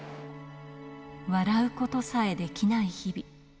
笑うことさえできない日々。